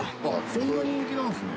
そんな人気なんですね。